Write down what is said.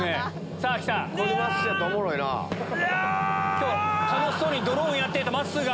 今日楽しそうにドローンをやっていたまっすーが。